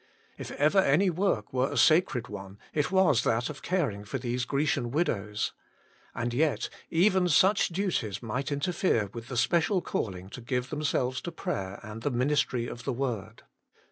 If ever any work were a sacred one, it was that of caring for these Grecian widows. And yet, even such duties might interfere with the special calling to give themselves to prayer and the ministry of the word.